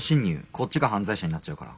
こっちが犯罪者になっちゃうから。